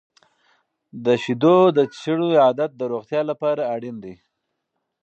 د شیدو د څښلو عادت د روغتیا لپاره اړین دی.